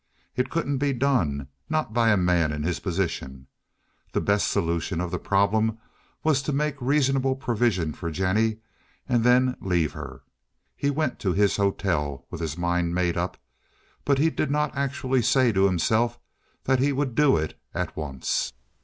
It couldn't be done, not by a man in his position. The best solution of the problem was to make reasonable provision for Jennie and then leave her. He went to his hotel with his mind made up, but he did not actually say to himself that he would do it at once.